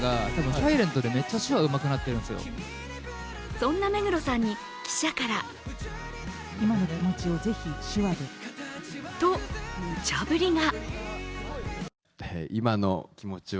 そんな目黒さんに記者からと無茶ぶりが。